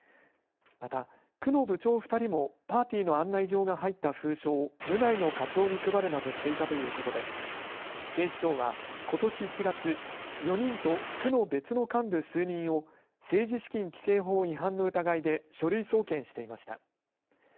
また、区の部長２人もパーティーの案内状が入った封書を部内の課長に配るなどしていたということで警視庁はことし１月、４人と区の別の数人を政治資金規正法違反の疑いで書類送検していました。